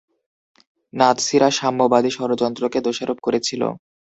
নাৎসিরা সাম্যবাদী ষড়যন্ত্রকে দোষারোপ করেছিল।